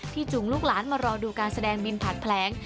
จุงลูกหลานมารอดูการแสดงบินผ่านแผลง